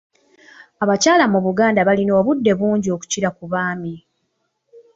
Abakyala mu Buganda baalina obudde bungi okukira ku baami